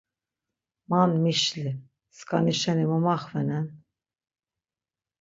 Man mişli, skani şeni mu maxvenen?